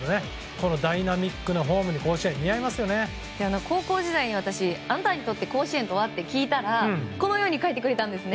このダイナミックなフォームに高校時代に私あなたにとって甲子園とはって聞いたらこのように書いてくれたんです。